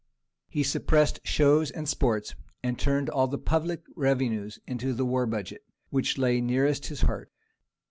He suppressed shows and sports, and turned all the public revenues into the war budget, which lay nearest his heart.